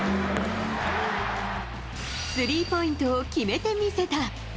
スリーポイントを決めてみせた。